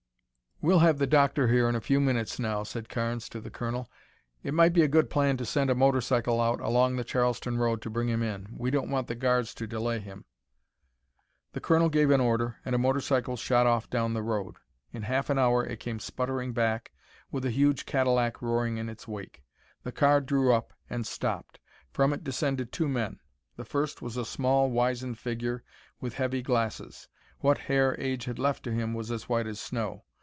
"We'll have the doctor here in a few minutes now," said Carnes to the Colonel. "It might be a good plan to send a motorcycle out along the Charleston road to bring him in. We don't want the guards to delay him." The colonel gave an order and a motorcycle shot off down the road. In half an hour it came sputtering back with a huge Cadillac roaring in its wake. The car drew up and stopped. From it descended two men. The first was a small, wizened figure with heavy glasses. What hair age had left to him was as white as snow.